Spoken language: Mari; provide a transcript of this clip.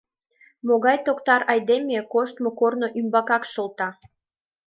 Могай токтар айдеме коштмо корно ӱмбакак шылта?